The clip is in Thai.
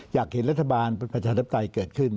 อยากเห็นรัฐบาลประชาธิปไตยเกิดขึ้น